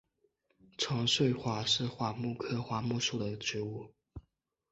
长穗桦是桦木科桦木属的植物。